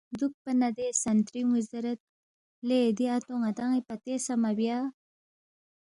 دوُکپا نہ دے سنتریُون٘ی زیرید، ”لے دی اتو ن٘دان٘ی پتے سہ مہ بیا“